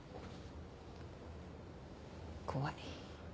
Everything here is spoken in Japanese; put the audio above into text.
怖い。